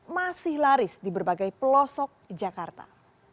masih laris di berbagai pelosok jakarta